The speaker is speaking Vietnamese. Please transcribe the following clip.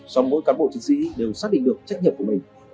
sông mỗi cán bộ chính sĩ đều xác định được trách nhiệm của mình